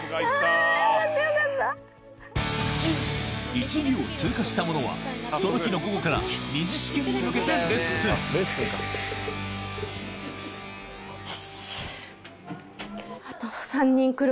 １次を通過した者はその日の午後から２次試験に向けてレッスンお願い。